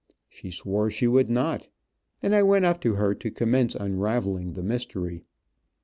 She swore she would not, and I went up to her to commence unraveling the mystery.